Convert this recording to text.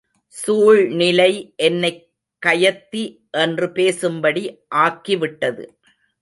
சூழ்நிலை என்னைக் கயத்தி என்று பேசும்படி ஆக்கிவிட்டது.